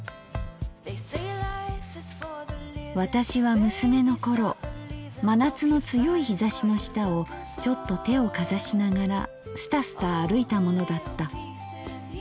「私は娘のころ真夏の強い日射しの下をちょっと手をかざしながらスタスタ歩いたものだった。